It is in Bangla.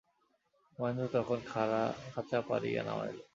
মহেন্দ্র তখন খাঁচা পাড়িয়া নামাইল।